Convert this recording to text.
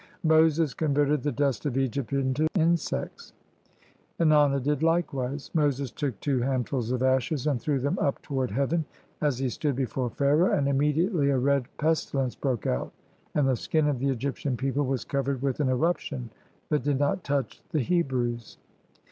Moses converted the dust of Egypt into insects, Ennana did likewise. Moses took two handfuls of ashes and threw them up toward heaven, as he stood before Pharaoh; and immediately a red pesti lence broke out, and the skin of the Egyptian people was covered with an eruption that did not touch the Hebrews.